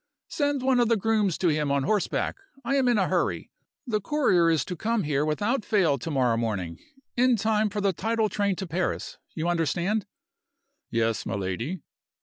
"Send one of the grooms to him on horseback; I am in a hurry. The courier is to come here without fail to morrow morning in time for the tidal train to Paris. You understand?" "Yes, my lady."